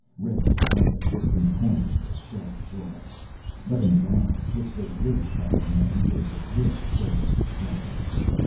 Red saliva dripped from the corners of their sharp jaws. But in the eyes, which they raised now and then toward the grill, there was intelligence.